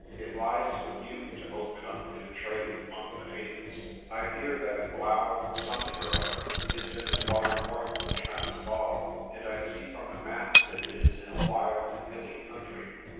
It lies with you to open up new trade among the natives. I hear that Blaauw something or other, is in the far north of the Transvaal, and I see from the map that it is in a wild, hilly country.